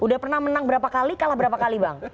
udah pernah menang berapa kali kalah berapa kali bang